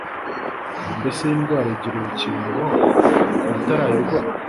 Mbese iyi ndwara igira urukingo ku batarayirwara?